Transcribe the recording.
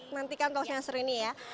kita nantikan talkshow yang sering nih ya